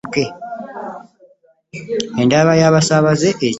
Endaba y'abasaabaze esaana ekyuke.